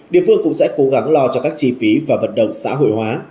địa phương cũng sẽ cố gắng lo cho các chi phí và vận động xã hội hóa